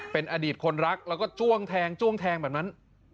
เป็นอดีตคนรักแล้วก็จ้วงแทงจ้วงแทงแบบนั้น